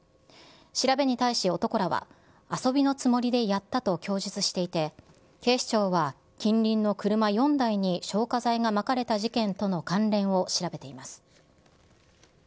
調べに対し男らは、遊びのつもりでやったと供述していて、警視庁は近隣の車４台に消火剤がまかれた事件との関連を調べています。